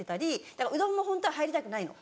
だからうどんもホントは入りたくないの。